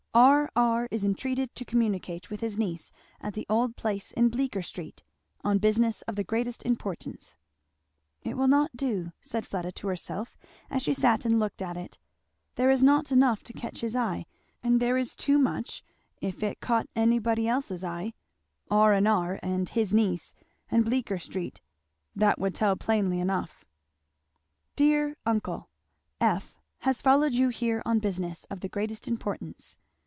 "_R. R. is entreated to communicate with his niece at the old place in Bleecker street, on business of the greatest importance_." "It will not do," said Fleda to herself as she sat and looked at it, "there is not enough to catch his eye; and there is too much if it caught anybody else's eye; 'R. R.', and 'his niece,' and 'Bleecker street,' that would tell plain enough." "_Dear uncle, F. has followed you here on business of the greatest importance.